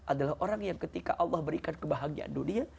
adalah orang yang ketika allah berikan kebahagiaan dunia